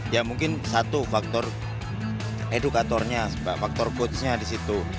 ya mungkin satu faktor edukatornya faktor coach nya di situ